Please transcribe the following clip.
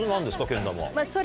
けん玉。